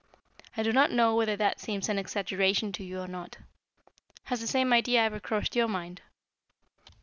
I do not know whether that seems an exaggeration to you or not. Has the same idea ever crossed your mind?"